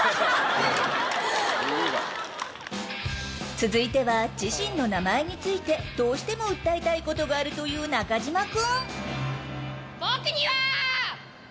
続いては自身の名前について、どうしても訴えたいことがあるという中島君。